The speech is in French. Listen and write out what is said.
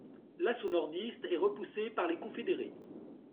L'assaut nordiste est repoussé par les confédérés.